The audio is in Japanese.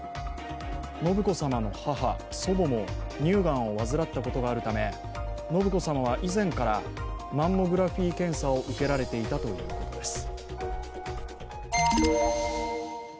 信子さまの母、祖母も乳がんを患ったことがあるため信子さまは以前からマンモグラフィー検査を受けられていたということです。